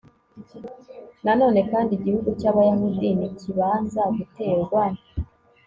na none kandi, igihugu cy'abayahudi nikibanza guterwa